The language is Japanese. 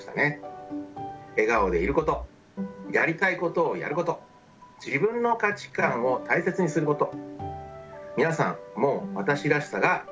「笑顔でいること」「やりたいことをやること」「自分の価値観を大切にすること」。